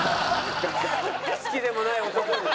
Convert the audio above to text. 好きでもない男に。